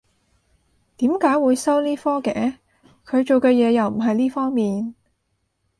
點解會收呢科嘅？佢做嘅嘢又唔係呢方面